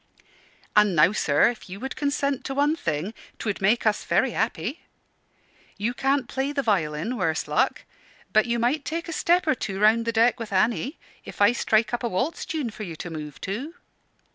"And now, sir, if you would consent to one thing, 'twould make us very happy. You can't play the violin, worse luck; but you might take a step or two round the deck with Annie, if I strike up a waltz tune for you to move to."